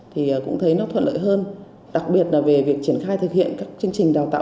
thì cũng thấy nó thuận lợi hơn đặc biệt là về việc triển khai thực hiện các chương trình đào tạo